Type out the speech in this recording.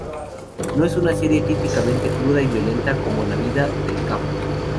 No es una serie típicamente cruda y violenta como la vida del capo.